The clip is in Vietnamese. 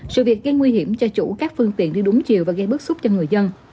sự việc gây nguy hiểm cho chủ các phương tiện đi đúng chiều và gây bức xúc cho người dân